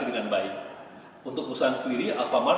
terima kasih turut cinnamon